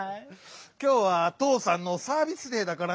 きょうはとうさんのサービスデーだからな。